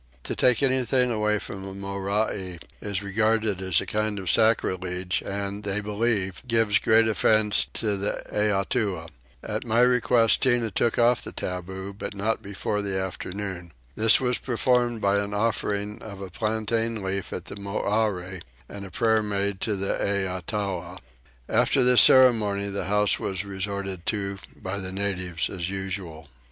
To take anything away from a Morai is regarded as a kind of sacrilege and, they believe, gives great offence to the Eatua. At my request Tinah took off the taboo, but not before the afternoon. This was performed by an offering of a plantain leaf at the Morai, and a prayer made to the Eatua. After this ceremony the house was resorted to by the natives as usual.